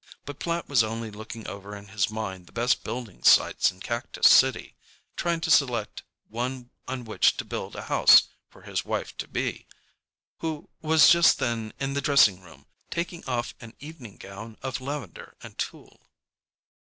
But Platt was only looking over in his mind the best building sites in Cactus City, trying to select one on which to build a house for his wife to be—who was just then in the dressing room taking off an evening gown of lavender and tulle.